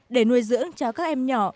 để nuôi dưỡng cho các em nhỏ